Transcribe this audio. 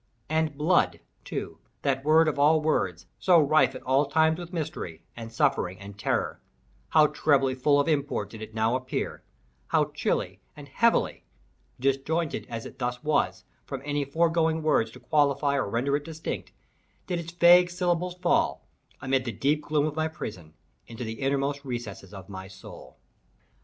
And "blood," too, that word of all words—so rife at all times with mystery, and suffering, and terror—how trebly full of import did it now appear—how chilly and heavily (disjointed, as it thus was, from any foregoing words to qualify or render it distinct) did its vague syllables fall, amid the deep gloom of my prison, into the innermost recesses of my soul!